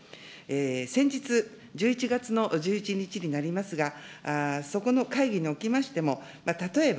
先日、１１月の１１日になりますが、そこの会議におきましても、例えば、